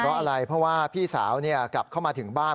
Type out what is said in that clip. เพราะอะไรเพราะว่าพี่สาวกลับเข้ามาถึงบ้าน